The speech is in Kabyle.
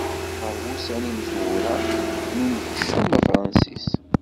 Ɣer wussan imezwura n unekcum afransis.